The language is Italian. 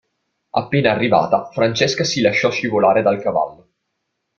Appena arrivata, Francesca si lasciò scivolare dal cavallo.